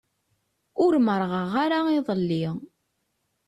Ur merrɣeɣ ara iḍelli.